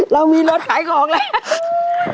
เรามีรถขายของแล้ว